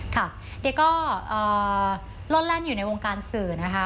ค่ะเดี๋ยวก็ลดแล่นอยู่ในวงการสื่อนะคะ